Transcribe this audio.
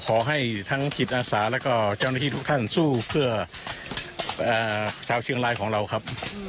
ขอให้ทั้งจิตอาสาแล้วก็เจ้าหน้าที่ทุกท่านสู้เพื่อชาวเชียงรายของเราครับ